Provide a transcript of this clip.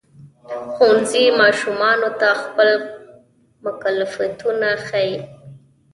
ښوونځی ماشومانو ته خپل مکلفیتونه ښيي.